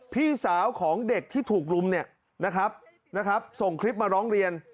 พี่สาวของเด็กที่ถูกรุมเนี่ยนะครับส่งคลิปมาร้องเรียน